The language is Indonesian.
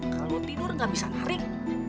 kalau tidur gak bisa narik